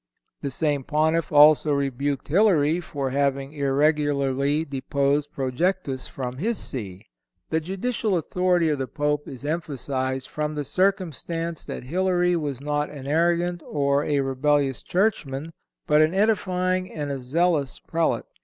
The same Pontiff also rebuked Hilary for having irregularly deposed Projectus from his See. The judicial authority of the Pope is emphasized from the circumstance that Hilary was not an arrogant or a rebellious churchman, but an edifying and a zealous Prelate.